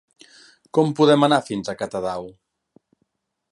Com podem anar fins a Catadau?